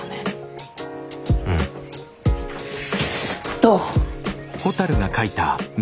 どう？